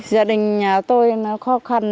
gia đình nhà tôi nó khó khăn